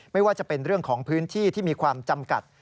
ไม่ว่าจะเป็นเรื่องของพื้นที่ที่มีความจำกัด